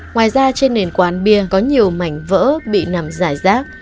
ngoài ra trên nền quán bia có nhiều mảnh vỡ bị nằm giải rác